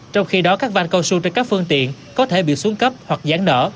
trong khi đó các van cao su trên các phương tiện có thể bị xuống cấp hoặc gián nở